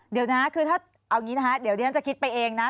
เดี๋ยวนะคือถ้าเอาอย่างนี้นะคะเดี๋ยวดิฉันจะคิดไปเองนะ